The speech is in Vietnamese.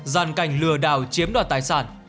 giàn cảnh lừa đào chiếm đoạt tài sản